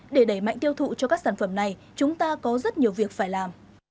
để đẩy mạnh tiêu thụ cho các sản phẩm này chúng ta có rất nhiều việc phải làm